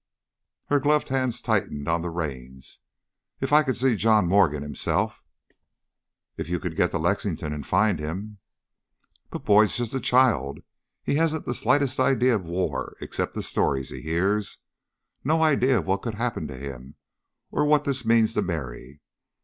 Her gloved hands tightened on the reins. "If I could see John Morgan himself " "If you could get to Lexington and find him " "But Boyd's just a child. He hasn't the slightest idea of war except the stories he hears ... no idea of what could happen to him, or what this means to Merry.